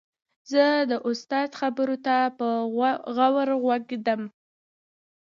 زه د استاد خبرو ته په غور غوږ ږدم.